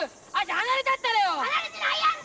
離れてないやんか！